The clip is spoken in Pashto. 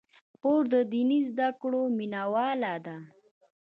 خور د دیني زدکړو مینه واله ده.